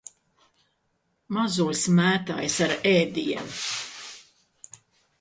Mazulis mētājas ar ēdienu.